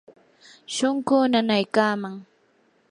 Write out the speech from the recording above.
shunquu nanaykaman.